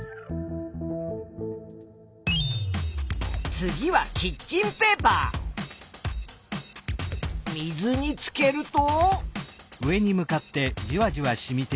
次は水につけると。